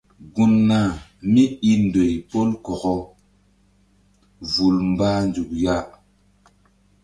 Gun nah míi ndoy pol kɔkɔ vul mbah nzuk ya.